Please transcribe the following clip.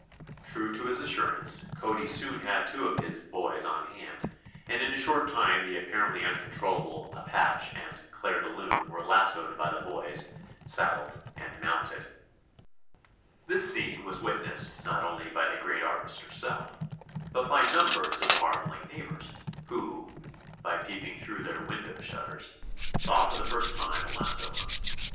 True to his assurance, Cody soon had two of his "boys" on hand, and in a short time the apparently uncontrollable "Appach" and "Clair de Lune" were lassoed by the "boys," saddled and mounted. This scene was witnessed not only by the great artist herself but by numbers of marveling neighbors, who, by peeping through their window shutters, saw for the first time a lasso hunt.